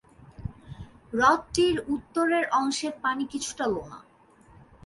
হ্রদটির উত্তরের অংশের পানি কিছুটা লোনা।